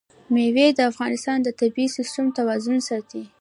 مېوې د افغانستان د طبعي سیسټم توازن ساتي.